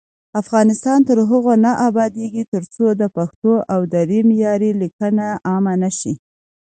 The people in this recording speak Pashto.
افغانستان تر هغو نه ابادیږي، ترڅو د پښتو او دري معیاري لیکنه عامه نشي.